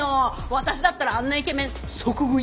私だったらあんなイケメン即食い。